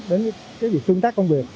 đến việc tương tác công việc